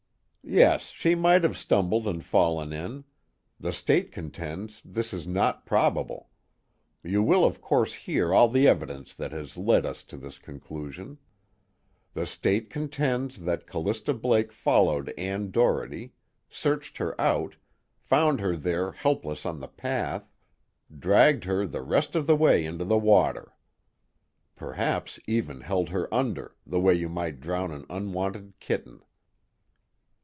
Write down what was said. "Yes, she might have stumbled and fallen in. The State contends this is not probable. You will of course hear all the evidence that has led us to this conclusion. The State contends that Callista Blake followed Ann Doherty, searched her out, found her there helpless on the path, dragged her the rest of the way into the water. Perhaps even held her under, the way you might drown an unwanted kitten."